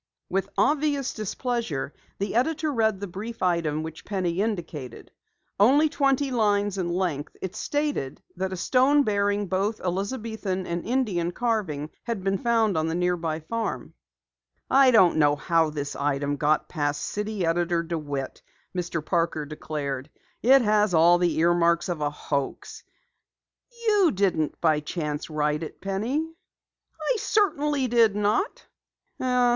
With obvious displeasure, the editor read the brief item which Penny indicated. Only twenty lines in length, it stated that a stone bearing both Elizabethan and Indian carving had been found on the nearby farm. "I don't know how this item got past City Editor DeWitt," Mr. Parker declared. "It has all the earmarks of a hoax! You didn't by chance write it, Penny?" "I certainly did not."